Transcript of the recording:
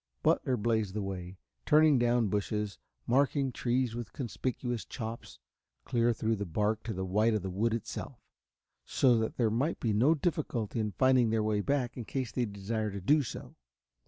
Butler blazed the way, turning down bushes, marking trees with conspicuous chops clear through the bark to the white of the wood itself, so that there might be no difficulty in finding their way back in case they desired to do so.